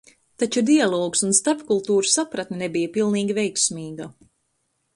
Taču dialogs un starpkultūru sapratne nebija pilnīgi veiksmīga.